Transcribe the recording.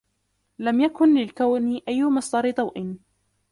لم يكن للكون أي مصدر ضوء